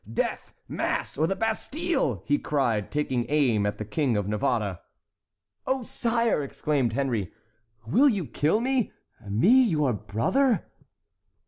"Death, mass, or the Bastille!" he cried, taking aim at the King of Navarre. "Oh, sire!" exclaimed Henry, "will you kill me—me, your brother?"